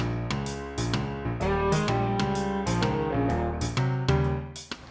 bapak mau ikut